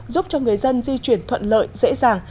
giúp cho người dân di chuyển thuận lợi dễ dàng